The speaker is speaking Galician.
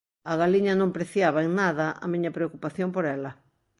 A galiña non preciaba en nada a miña preocupación por ela.